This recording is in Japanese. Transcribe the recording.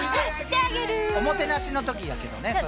「おもてなし」の時やけどねそれ。